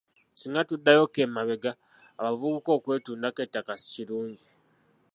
Singa tuddayokko emabega, abavubuka okwetundako ettaka si kirungi.